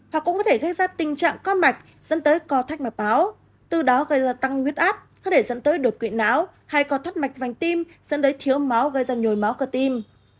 hoặc cũng có thể gây ra tình trạng co mạch dẫn tới co thắt mạch máu từ đó gây ra tăng huyết áp có thể dẫn tới đột quỵ não hay co thắt mạch vành tim dẫn đến thiếu máu gây ra nhồi máu cơ tim